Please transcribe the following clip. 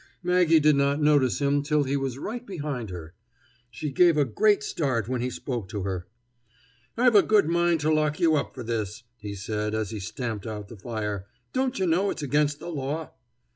Maggie did not notice him till he was right behind her. She gave a great start when he spoke to her. "I've a good mind to lock you up for this," he said as he stamped out the fire. "Don't you know it's against the law?"